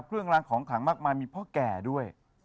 เครื่องรางของขลังมากมายมีพ่อแก่ด้วย